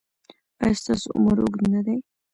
ایا ستاسو عمر اوږد نه دی؟